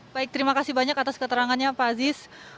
baik terima kasih banyak atas keterangannya pak aziz